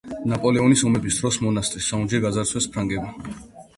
ნაპოლეონის ომების დროს მონასტრის საუნჯე გაძარცვეს ფრანგებმა.